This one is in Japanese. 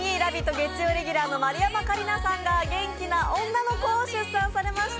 月曜レギュラーの丸山桂里奈さんが元気な女の子を出産されました！